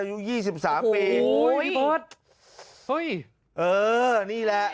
อายุยี่สิบสามปีโอ้โฮนี่แหละ